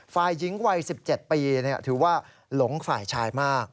ฝ่ายหญิงวัย๑๗ปีถือว่าหลงฝ่ายชายมาก